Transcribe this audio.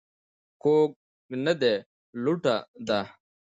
کوږ نه دى ، لوټه ده.